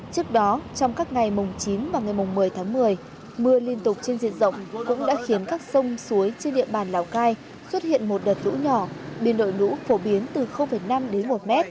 trước đó trong các ngày mùng chín và ngày mùng một mươi tháng một mươi mưa liên tục trên diện rộng cũng đã khiến các sông suối trên địa bàn lào cai xuất hiện một đợt lũ nhỏ biên đội lũ phổ biến từ năm đến một m